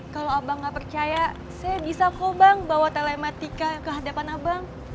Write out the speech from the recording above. kalau abang nggak percaya saya bisa kok bang bawa telematika ke hadapan abang